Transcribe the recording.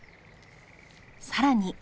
さらに。